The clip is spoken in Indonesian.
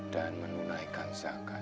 dan menunaikan zakat